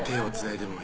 でも